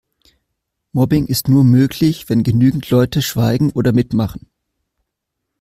Mobbing ist nur möglich, wenn genügend Leute schweigen oder mitmachen.